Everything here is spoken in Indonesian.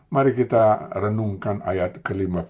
mari kita renungkan ayat ke lima puluh